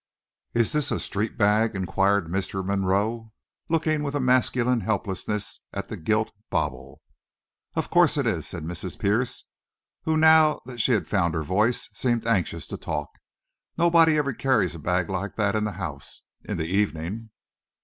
"Is this a street bag?" inquired Mr. Monroe, looking with a masculine helplessness at the gilt bauble. "Of course it is," said Mrs. Pierce, who now that she had found her voice, seemed anxious to talk. "Nobody ever carries a bag like that in the house, in the evening."